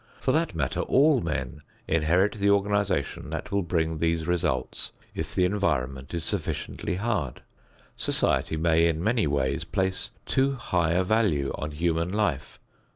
For that matter all men inherit the organization that will bring these results if the environment is sufficiently hard. Society may in many ways place too high a value on human life.